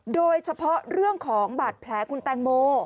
โดยเฉพาะเรื่องของบาดแผลคุณแตงโม